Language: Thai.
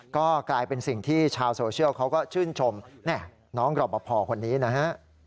ก็กลายเป็นสิ่งที่ชาวโซเชียลเขาก็ชื่นชมน้องรอปภคนนี้นะฮะ